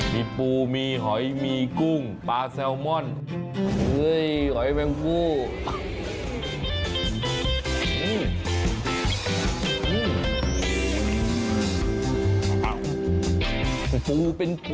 มีปูมีหอยมีกุ้งปลาแซลมอนหอยแมงฟู